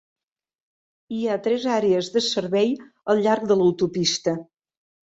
Hi ha tres àrees de servei al llarg de l'autopista.